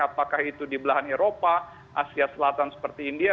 apakah itu di belahan eropa asia selatan seperti india